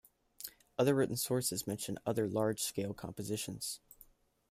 Other written sources mention other large-scale compositions.